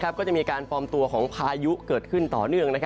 ก็จะมีการปลอมตัวของพายุเกิดขึ้นต่อเนื่อง